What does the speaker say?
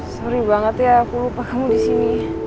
sorry banget ya aku lupa kamu disini